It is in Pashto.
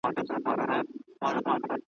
هر وړوکی يې دريادی `